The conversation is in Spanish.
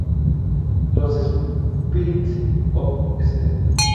Los Spirits of St.